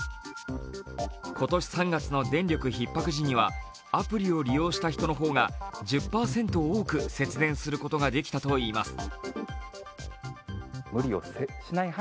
今年３月の電力ひっ迫時にはアプリを利用した人の方が１０％多く節電することができたといいます。